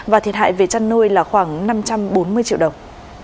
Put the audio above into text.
và thiệt hại về chăn nuôi là khoảng năm trăm bốn mươi triệu đồng